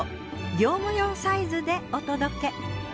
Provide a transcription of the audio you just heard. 業務用サイズでお届け。